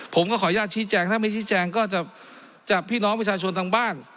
ผมก็ขออนุญาตชี้แจงถ้าไม่ชี้แจงก็จะจากพี่น้องประชาชนทางบ้าน